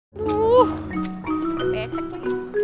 aduh kepecek lagi